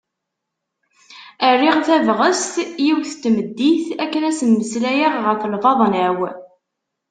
Rriɣ tabɣest yiwet n tmeddit akken ad as-mmeslayeɣ ɣef lbaḍna-w.